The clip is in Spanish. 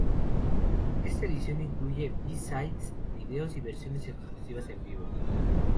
Este edición incluye B-sides, videos y versiones exclusivas en vivo.